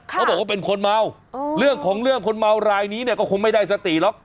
เขาบอกว่าเป็นคนเมาเรื่องของเรื่องคนเมารายนี้เนี่ยก็คงไม่ได้สติหรอก